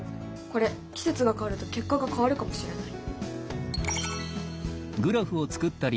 これ季節が変わると結果が変わるかもしれない。